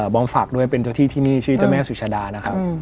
บอมฝากด้วยเป็นเจ้าที่ที่นี่ชื่อเจ้าแม่สุชาดานะครับ